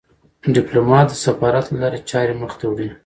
ډيپلومات د سفارت له لارې چارې مخ ته وړي.